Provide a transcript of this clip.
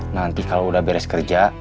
nanti kalau udah beres kerja